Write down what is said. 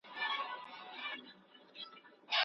پښتون د هر مظلوم لپاره د پناه ځای دی.